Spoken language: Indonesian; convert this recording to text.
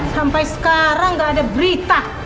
sampai sekarang nggak ada berita